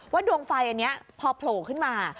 ดวงไฟอันนี้พอโผล่ขึ้นมา